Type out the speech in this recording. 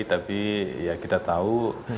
tapi ya kita tahu